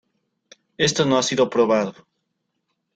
Esto no ha sido probado.